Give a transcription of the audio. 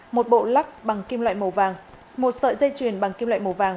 một bộ lắc bằng kim loại màu vàng một sợi dây chuyền bằng kim loại màu vàng